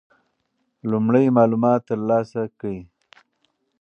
لومړی معلومات ترلاسه کړئ.